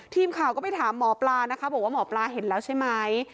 ทีมข่าวก็ไปถามหมอปลานะคะบอกว่าหมอปลาเห็นแล้วใช่ไหม